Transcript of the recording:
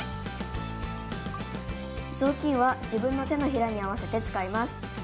ぞうきんは自分の手のひらに合わせて使います。